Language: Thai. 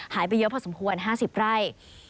หายไปเยอะพอสมควร๕๐ไร่